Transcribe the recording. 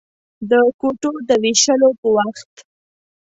د کوټو د وېشلو په وخت.